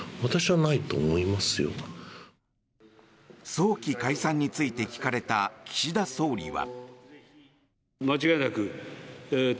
早期解散について聞かれた岸田総理は。